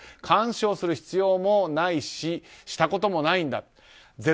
干渉する必要もないししたこともないんだと。